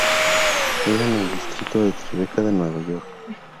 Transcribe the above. Vive en el distrito TriBeCa de Nueva York.